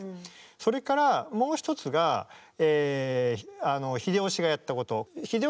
それからもう一つが秀吉がやったこと。